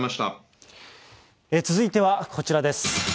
続いてはこちらです。